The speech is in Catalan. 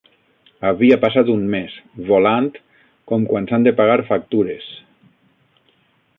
Havia passat un mes, volant com quan s'han de pagar factures.